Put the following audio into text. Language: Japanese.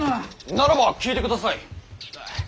ならば聞いてください。